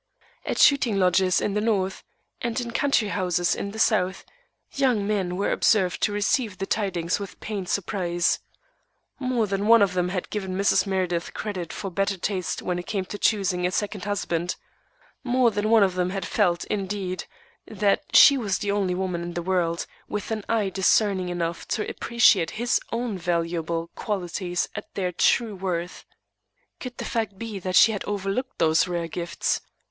At shooting lodges in the North, and in country houses in the South, young men were observed to receive the tidings with pained surprise. More than one of them had given Mrs. Meredith credit for better taste when it came to choosing a second husband; more than one of them had felt, indeed, that she was the only woman in the world with an eye discerning enough to appreciate his own valuable qualities at their true worth. Could the fact be that she had overlooked those rare gifts?